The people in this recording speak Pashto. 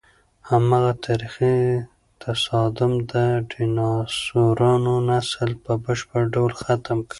هماغه تاریخي تصادم د ډیناسورانو نسل په بشپړ ډول ختم کړ.